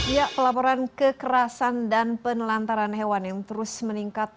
ya pelaporan kekerasan dan penelantaran hewan yang terus meningkat